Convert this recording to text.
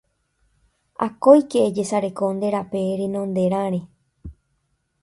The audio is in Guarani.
Akóike ejesareko nde rape renonderãre